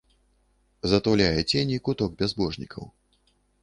Затуляе цені куток бязбожнікаў.